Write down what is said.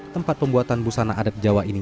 tempat pembuatan busana adat jawa ini